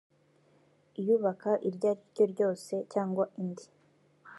iyubaka iryo ariryo ryose cyangwa indi